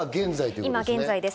今現在です。